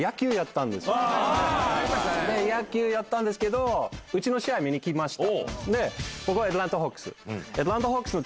野球やってたんですけどうちの試合見に来ました。